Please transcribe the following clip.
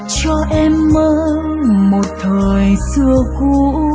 cho em mơ một thời xưa cũ